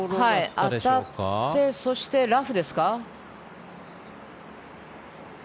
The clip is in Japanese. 当たってそして、ラフですか？